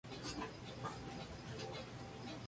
Rice nació en Nueva York.